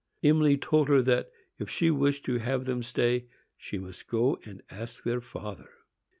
Emily told her that, if she wished to have them stay, she must go and ask her father.